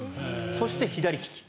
そして左利き。